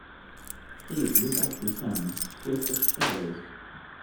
Please look up the song, Twist of shadows.